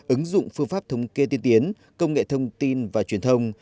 ứng dụng phương pháp thống kê tiên tiến công nghệ thông tin và truyền thông